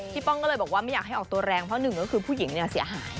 ป้องก็เลยบอกว่าไม่อยากให้ออกตัวแรงเพราะหนึ่งก็คือผู้หญิงเนี่ยเสียหาย